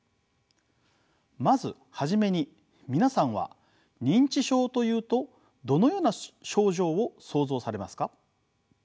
まず初めに皆さんは認知症というとどのような症状を想像されますか？